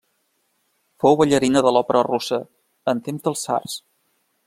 Fou ballarina de l'Òpera Russa, en temps dels tsars.